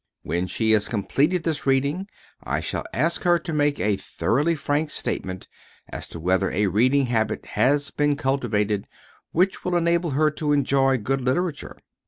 When she has completed this reading I shall ask her to make a thoroughly frank statement as to whether a reading habit has been cultivated which will enable her to enjoy good literature.